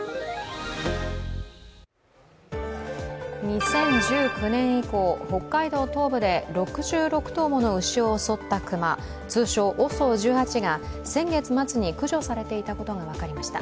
２０１９年以降、北海道頭部で６６頭の牛を襲った熊、通称・ＯＳＯ１８が先月末に駆除されていたことが分かりました。